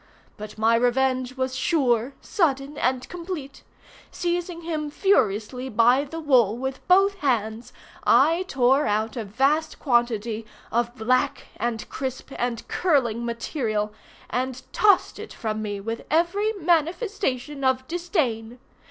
But my revenge was sure, sudden, and complete. Seizing him furiously by the wool with both hands, I tore out a vast quantity of black, and crisp, and curling material, and tossed it from me with every manifestation of disdain.